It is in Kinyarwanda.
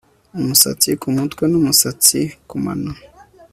umusatsi kumutwe numusatsi kumano